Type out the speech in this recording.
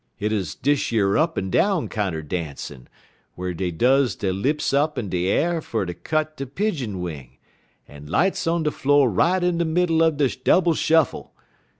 Hit uz dish yer up en down kinder dancin', whar dey des lips up in de a'r fer ter cut de pidjin wing, en lights on de flo' right in de middle er de double shuffle.